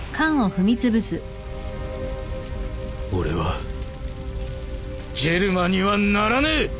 俺はジェルマにはならねえ！